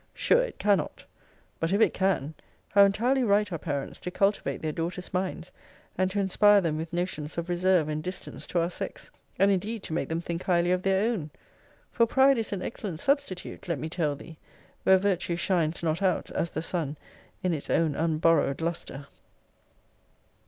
Sure it cannot. But if it can, how entirely right are parents to cultivate their daughters' minds, and to inspire them with notions of reserve and distance to our sex: and indeed to make them think highly of their own! for pride is an excellent substitute, let me tell thee, where virtue shines not out, as the sun, in its own unborrowed lustre.